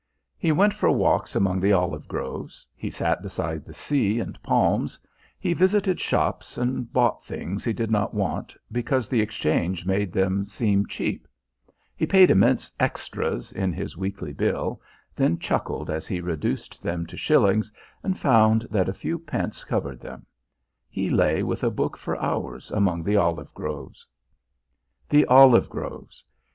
He went for walks among the olive groves, he sat beside the sea and palms, he visited shops and bought things he did not want because the exchange made them seem cheap, he paid immense "extras" in his weekly bill, then chuckled as he reduced them to shillings and found that a few pence covered them; he lay with a book for hours among the olive groves. The olive groves!